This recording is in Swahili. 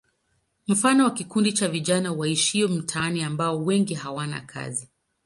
Mfano ni kikundi cha vijana waishio mitaani ambao wengi hawana kazi.